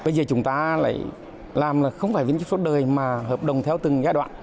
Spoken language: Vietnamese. bây giờ chúng ta lại làm là không phải viên chức suốt đời mà hợp đồng theo từng giai đoạn